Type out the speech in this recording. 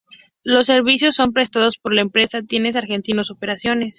Los servicios son prestados por la empresa Trenes Argentinos Operaciones.